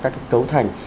các cái cấu thành